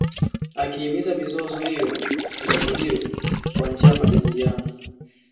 Akihimiza mizozo hiyo itatuliwe kwa njia ya majadiliano